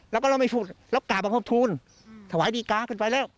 แล้วก็เราไม่พูดเรากราบมาพบทูลถวายดีกาขึ้นไปแล้ว